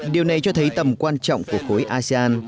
điều này cho thấy tầm quan trọng của khối asean